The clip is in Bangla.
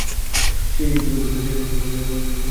সে, রিকি সন্ধু।